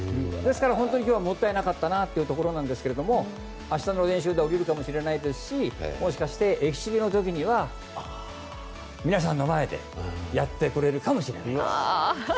ですから本当に今日はもったいなかったなというところですが明日の練習では降りるかもしれないですしもしかしてエキシビションでは皆さんの前でやってくれるかもしれない。